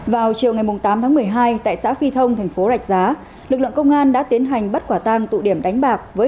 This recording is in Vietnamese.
vào chiều ngày tám tháng một mươi hai tại xã phi thông tp rạch giá lực lượng công an đã tiến hành bắt quả tăng tụ điểm đánh bạc